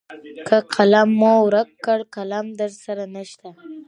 که قلم مو ورک کړ قلم درسره نشته .